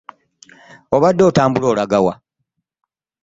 Obadde otambula olaga wa?